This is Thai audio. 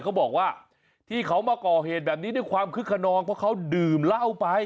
เขาบอกว่าที่เขามาก่อเหตุแบบนี้ด้วยความคึกขนองเพราะเขาดื่มเหล้าไป